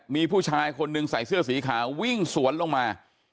มีผู้ชายคนหนึ่งใส่เสื้อสีขาววิ่งสวนลงมา